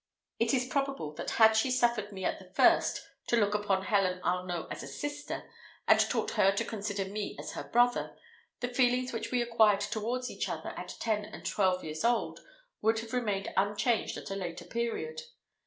It is probable, that had she suffered me at the first to look upon Helen Arnault as a sister, and taught her to consider me as her brother, the feelings which we acquired towards each other at ten and twelve years old would have remained unchanged at a later period.